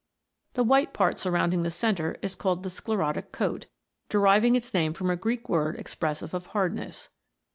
The white part surrounding the centre is called the sclerotic coat, deriving its name from a Greek word expressive of hardness.